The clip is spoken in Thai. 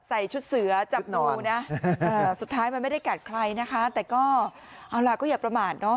ใส่ชุดเสือจับงูนะสุดท้ายมันไม่ได้กัดใครนะคะแต่ก็เอาล่ะก็อย่าประมาทเนอะ